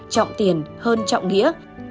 trọng tiền hơn trọng nghĩa